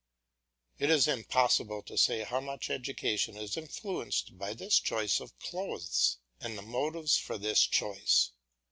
It is impossible to say how much education is influenced by this choice of clothes, and the motives for this choice.